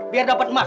biar dapet emas